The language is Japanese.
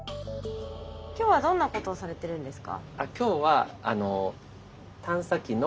今日はどんなことをされてるんですか？